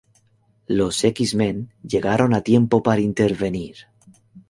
Los X-Men llegaron a tiempo para intervenir.